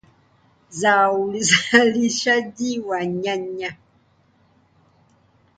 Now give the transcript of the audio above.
za uzalishaji wa nyanya.